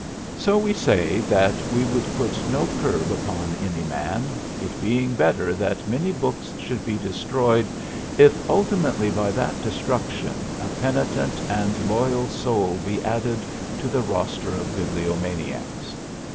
So we say that we would put no curb upon any man, it being better that many books should be destroyed, if ultimately by that destruction a penitent and loyal soul be added to the roster of bibliomaniacs.